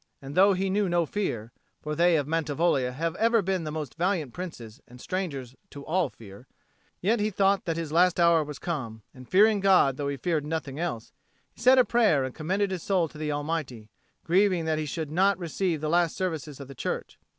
And though he knew no fear for they of Mantivoglia have ever been most valiant Princes and strangers to all fear yet he thought that his last hour was come, and, fearing God though he feared nothing else, he said a prayer and commended his soul to the Almighty, grieving that he should not receive the last services of the Church.